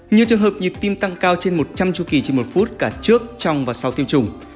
nhiều trường hợp nhịp tim tăng cao trên một trăm linh chu kỳ trên một phút cả trước trong và sau tiêm chủng